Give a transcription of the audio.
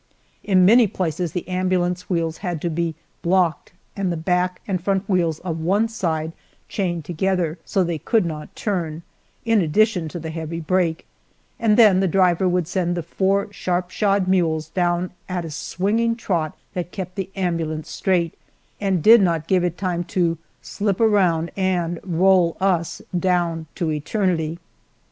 In many places the ambulance wheels had to be "blocked," and the back and front wheels of one side chained together so they could not turn, in addition to the heavy brake, and then the driver would send the four sharp shod mules down at a swinging trot that kept the ambulance straight, and did not give it time to slip around and roll us down to eternity.